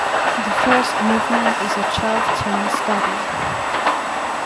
The first movement is a twelve-tone study.